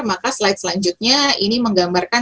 maka slide selanjutnya ini menggambarkan